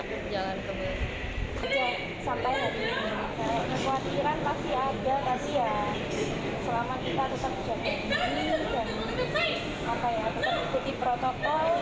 dan tetap ikuti protokol harusnya juga pasti semuanya dilakukan